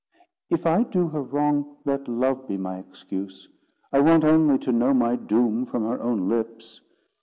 If I do her wrong, let love be my excuse. I want only to know my doom from her own lips."